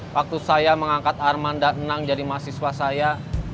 waktu saya mengangkat arman dan nang jadi mahasiswa saya